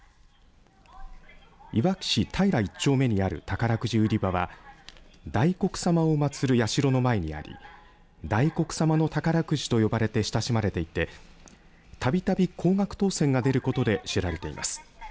いわき市平一町目にある宝くじ売り場は大黒様を祭る社の前にあり大黒様の宝くじと呼ばれて親しまれていてたびたび高額当せんが出ることで知られています。